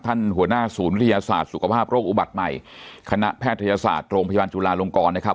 หัวหน้าศูนย์วิทยาศาสตร์สุขภาพโรคอุบัติใหม่คณะแพทยศาสตร์โรงพยาบาลจุลาลงกรนะครับ